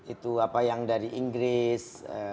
itu apa yang dari inggris